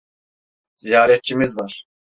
Ziyaretçimiz var.